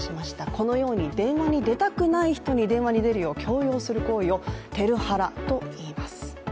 このように、電話に出たくない人に電話に出るよう強要する行為をＴＥＬハラといいます。